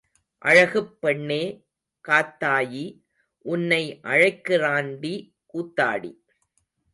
அழகுப் பெண்ணே காத்தாயி, உன்னை அழைக்கிறாண்டி கூத்தாடி.